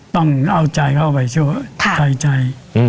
ต้องเอาใจเข้าไปช่วยใส่ใจ